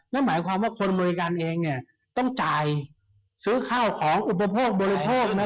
นั่นหมายความว่าคนอเมริกันเองเนี่ยต้องจ่ายซื้อข้าวของอุปโภคบริโภคนะ